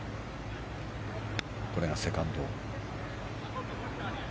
これがセカンド。